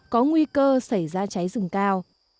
có nguy cơ xảy ra cháy rừng cao